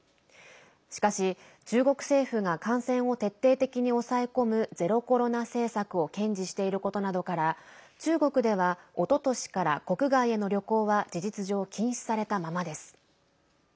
しかし、中国政府が感染を徹底的に抑え込むゼロコロナ政策を堅持していることなどから中国ではおととしから国外への旅行は事実上、禁止されたままです。